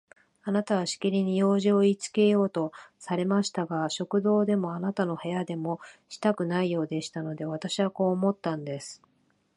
あなたはしきりに用事をいいつけようとされましたが、食堂でもあなたの部屋でもしたくないようでしたので、私はこう思ったんです。